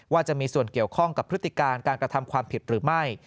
จะมีส่วนเกี่ยวข้องกับพฤติการการกระทำความผิดหรือไม่